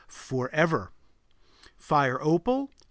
FOREVER Fire opal.